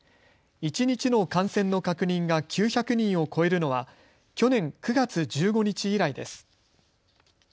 一日の感染の確認が９００人を超えるのは去年９月１５日以来です。